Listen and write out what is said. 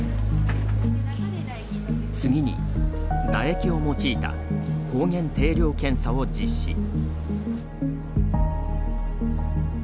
次に、唾液を用いた抗原定量検査を実施。